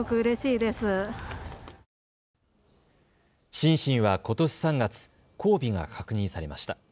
シンシンはことし３月、交尾が確認されました。